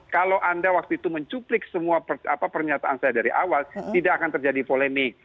kalau anda waktu itu mencuplik semua pernyataan saya dari awal tidak akan terjadi polemik